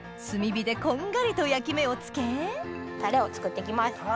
炭火でこんがりと焼き目をつけタレを作ってきます。